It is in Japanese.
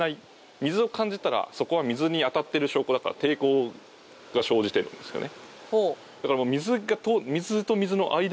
水を感じたらそこは水に当たっている証拠だから抵抗が生じているんですね。